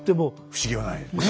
不思議はないのね。